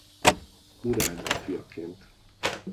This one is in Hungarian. Murád fiaként.